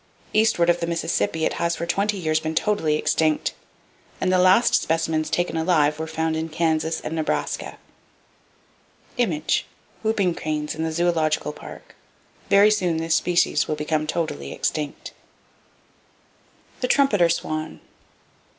Eastward of the Mississippi it has for twenty years been totally extinct, and the last specimens taken alive were found in Kansas and Nebraska. WHOOPING CRANES IN THE ZOOLOGICAL PARK Very Soon this Species will Become Totally Extinct. The Trumpeter Swan.